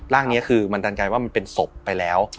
นี้คือมันดันไกลว่ามันเป็นศพไปแล้ว